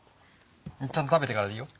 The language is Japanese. ちゃんと食べてからでいいよ。